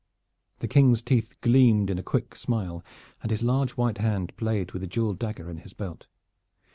The King's teeth gleamed in a quick smile, and his large white hand played with the jeweled dagger in his belt.